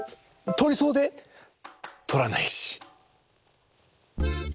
とりそうでとらないし。